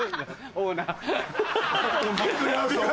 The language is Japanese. オーナー